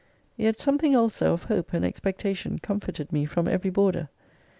Yet some thing also of hope and expectation comforted me from every border.